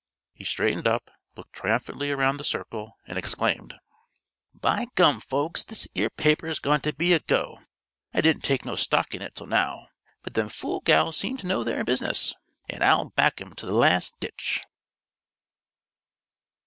He straightened up, looked triumphantly around the circle and exclaimed: "By gum, folks, this 'ere paper's going to be a go! I didn't take no stock in it till now, but them fool gals seem to know their business, an' I'll back 'em to the last ditch!"